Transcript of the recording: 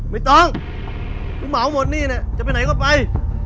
ไม่ต้องกูเหมาหมดหนี้เนี่ยจะไปไหนก็ไป